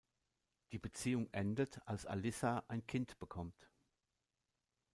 Die Beziehung endet, als Alissa ein Kind bekommt.